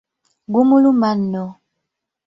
Gumuluma nno.